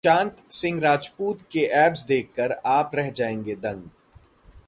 सुशांत सिंह राजपूत के एब्स देखकर आप रह जाएंगे दंग